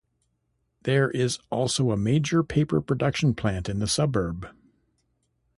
There is also a major paper production plant in the suburb.